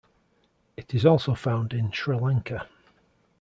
It is also found in Sri Lanka.